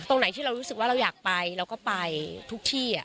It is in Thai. ตรงไหนที่เรารู้สึกว่าเราอยากไปเราก็ไปทุกที่